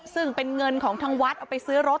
ซึ่งเป็นเงินของทางวัดเอาไปซื้อรถ